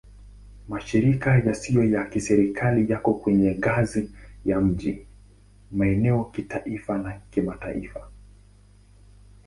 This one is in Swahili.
Mashirika yasiyo ya Kiserikali yako kwenye ngazi ya miji, maeneo, kitaifa na kimataifa.